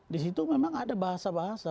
di situ memang ada bahasa bahasa